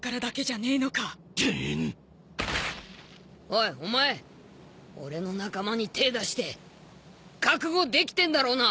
おいお前俺の仲間に手出して覚悟できてんだろうな？